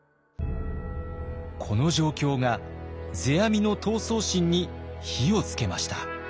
この状況が世阿弥の闘争心に火をつけました。